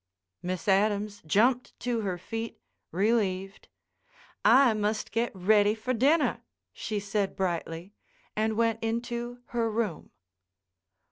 Miss Adams jumped to her feet, relieved. "I must get ready for dinner," she said brightly, and went into her room.